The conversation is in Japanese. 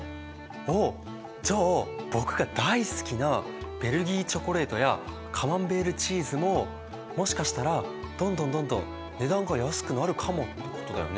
おおじゃあ僕が大好きなベルギーチョコレートやカマンベールチーズももしかしたらどんどんどんどん値段が安くなるかもってことだよね。